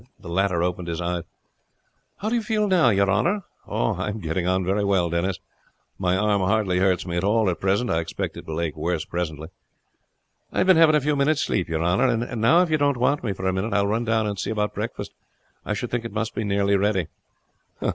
The latter opened his eyes. "How do you feel now, your honor?" "Oh, I am getting on very well, Denis. My arm hardly hurts me at all at present. I expect it will ache worse presently." "I have been having a few minutes' sleep your honor. And now, if you don't want me for a minute, I will run down and see about breakfast. I should think it must be nearly ready."